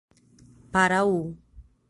Paraú